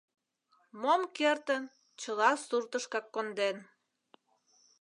Мом кертын — чыла суртышкак конден...